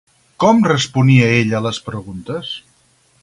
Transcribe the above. Com responia ella les preguntes?